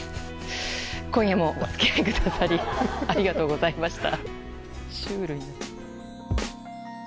今夜もお付き合いくださりありがとうございました。